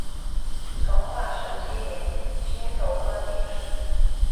成化十七年辛丑科进士。